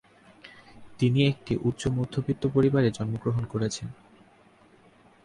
তিনি একটি উচ্চ মধ্যবিত্ত পরিবারে জন্মগ্রহণ করেছেন।